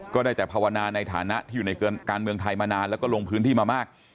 ก็ได้แต่ภาวนาในฐานะที่อยู่ในการเมืองไทยมานานแล้วก็ลงพื้นที่มามาก